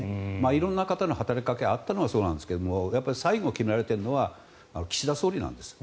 色んな方の働きかけがあったのはそうなんですが最後、決めたのは岸田総理なんです。